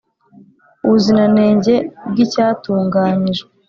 ubuziranenge bw icyatunganyijwe